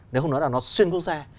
nếu không nói là nó xuyên quốc gia